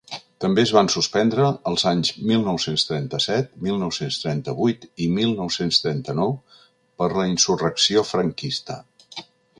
També es van suspendre els anys mil nou-cents trenta-set, mil nou-cents trenta-vuit i mil nou-cents trenta-nou per la insurrecció franquista.